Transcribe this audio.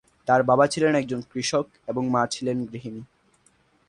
তার বাবা ছিলেন একজন কৃষক এবং মা ছিলেন গৃহিণী।